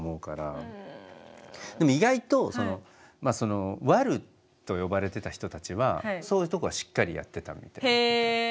でも意外とワルと呼ばれてた人たちはそういうとこはしっかりやってたみたい。